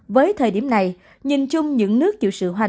với thời điểm này nhìn chung những nước dự sự hoàn toàn